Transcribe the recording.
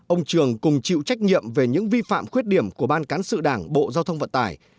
ông trường cùng chịu trách nhiệm về những vi phạm khuyết điểm của ban cán sự đảng bộ giao thông vận tải